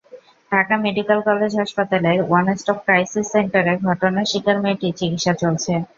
Dhaka medical college হাসপাতালের one stop crisis সেন্টারে ঘটনার শিকার মেয়েটির চিকিৎসা চলছে।